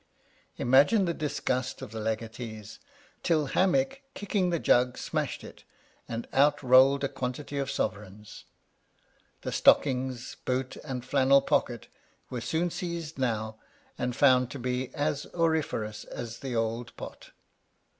Imagine the disgust of the legatees, till Hammick kicking the jug, smashed it, and out rolled a quantity of sovereigns. The stockings, boot, and flannel pocket were soon seized now, and found to be as auriferous as the old pot.